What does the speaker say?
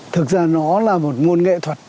thực ra nó là một nguồn nghệ thuật